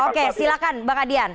oke silakan mbak adian